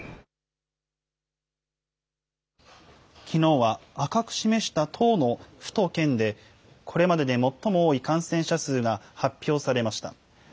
きのうは赤く示した１０の府と県で、これまでで最も多い感染者数が発表されました。